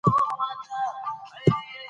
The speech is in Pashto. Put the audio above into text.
د نجونو تعلیم د ناوړه دودونو مخه نیسي.